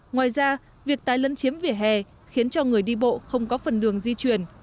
ngoài ra việc tái lấn chiếm vỉa hè khiến cho người đi bộ không có phần đường di chuyển